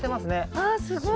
あすごい。